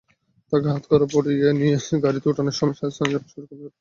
তাঁকে হাতকড়া পড়িয়ে নিয়ে গাড়িতে ওঠানোর সময় স্থানীয় জামায়াত-শিবিরের কর্মীরা বাধা দেন।